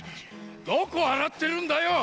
どこあらってるんだよ！